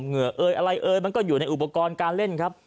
เหงื่อเอยอะไรเอ่ยมันก็อยู่ในอุปกรณ์การเล่นครับ